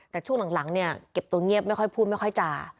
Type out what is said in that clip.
แต่ช่วงหลังเนี่ยเก็บตัวเงียบไม่ค่อยพูดไม่ค่อยจ่า